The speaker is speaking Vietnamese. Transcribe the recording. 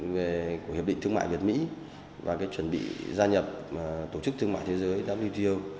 về của hiệp định thương mại việt mỹ và chuẩn bị gia nhập tổ chức thương mại thế giới wto